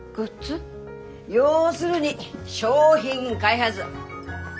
要するに商品開発。